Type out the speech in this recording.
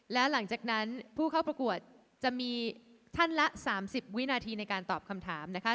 แล้วหลังจากนั้นผู้เข้าประกวดจะมีท่านละ๓๐วินาทีในการตอบคำถามนะคะ